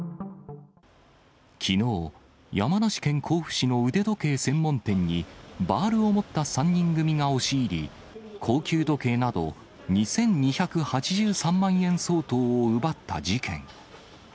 きのう、山梨県甲府市の腕時計専門店に、バールを持った３人組が押し入り、高級時計など２２８３万円相当を奪った事件。